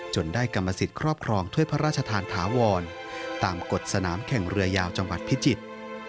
ได้กรรมสิทธิ์ครอบครองถ้วยพระราชทานถาวรตามกฎสนามแข่งเรือยาวจังหวัดพิจิตร